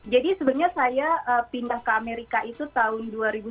jadi sebenarnya saya pindah ke amerika itu tahun dua ribu sembilan